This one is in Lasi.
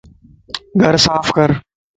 گھر صاف ڪر